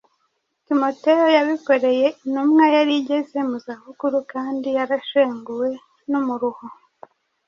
Timoteyo yabikoreye intumwa yari igeze mu za bukuru kandi yarashenguwe n’umuruho.